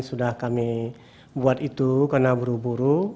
sudah kami buat itu karena buru buru